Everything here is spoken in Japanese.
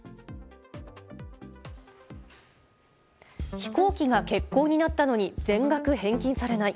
飛行機が欠航になったのに全額返金されない。